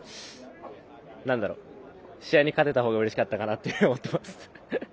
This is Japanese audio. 試合に勝てた方がうれしかったかなと思ってます。